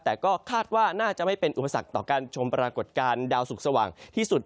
แต่ก็คาดว่าน่าจะไม่เป็นอุปสรรคต่อการชมปรากฏการณ์ดาวสุขสว่างที่สุด